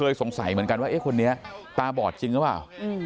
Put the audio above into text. ไหนเหมือนกันว่าเอ๊ะคนนี้ตาบอดจริงหรือว่ะ